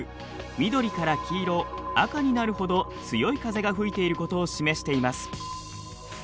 緑から黄色赤になるほど強い風が吹いていることを示しています。